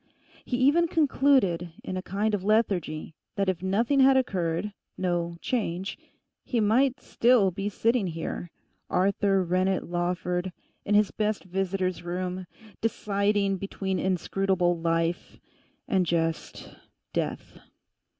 He even concluded in a kind of lethargy that if nothing had occurred, no 'change,' he might still be sitting here, Arthur Rennet Lawford, in his best visitor's room, deciding between inscrutable life and just—death.